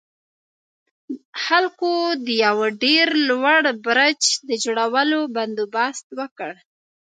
خلکو د يوه ډېر لوړ برج د جوړولو بندوبست وکړ.